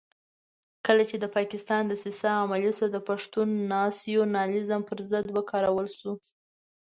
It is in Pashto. کله چې د پاکستان دسیسه عملي شوه د پښتون ناسیونالېزم پر ضد وکارول شو.